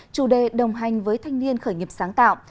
chủ đề đồng hành với thanh niên khởi nghiệp sáng tạo